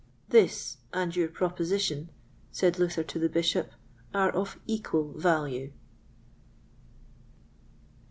"This and your proposition," said Luther to the Bishop, "are of equal value."